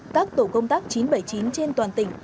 các tổ công tác chín trăm bảy mươi chín trên toàn tỉnh